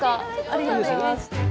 ありがとうございます。